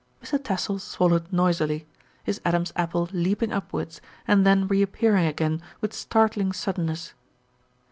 Mr. Tassell swallowed noisily, his Adam's apple leaping upwards and then reappearing again with startling suddenness.